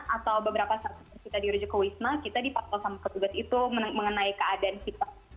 atau beberapa saat kita dirujuk ke wisma kita dipantau sama petugas itu mengenai keadaan kita